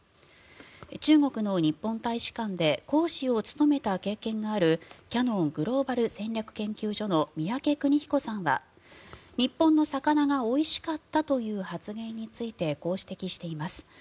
中国の日本大使館で講師を務めた経験があるキヤノングローバル戦略研究所の宮家邦彦さんは日本の魚がおいしかったという発言についてこう指摘しています。